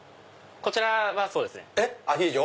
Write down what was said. こちらはそうですね。